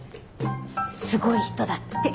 すごい人だって。